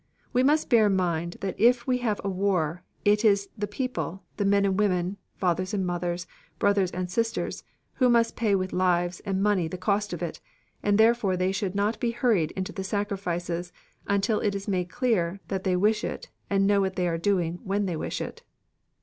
We must bear in mind that if we have a war it is the people, the men and women, fathers and mothers, brothers and sisters, who must pay with lives and money the cost of it, and therefore they should not be hurried into the sacrifices until it is made clear that they wish it and know what they are doing when they wish it.